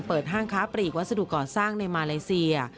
ห้างค้าปลีกวัสดุก่อสร้างในมาเลเซีย